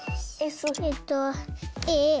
えっとａ。